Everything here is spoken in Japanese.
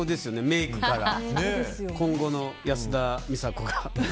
メイクから今後の安田美沙子が。